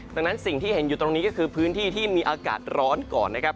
ดังนั้นสิ่งที่เห็นอยู่ตรงนี้ก็คือพื้นที่ที่มีอากาศร้อนก่อนนะครับ